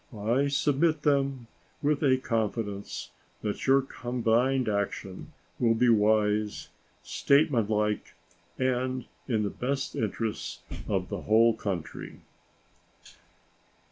I submit them with a confidence that your combined action will be wise, statesmanlike, and in the best interests of the whole country.